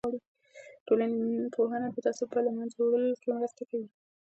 ټولنپوهنه د تعصب په له منځه وړلو کې مرسته کوي.